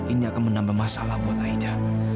ini akan menambah masalah buat aida